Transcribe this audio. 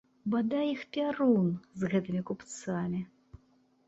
Бадай іх пярун, з гэтымі купцамі!